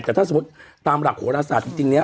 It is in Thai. แต่ถ้าสมมุติตามหลักโหรศาสตร์จริงเนี่ย